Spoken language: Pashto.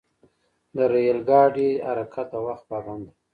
د ریل ګاډي حرکت د وخت پابند دی.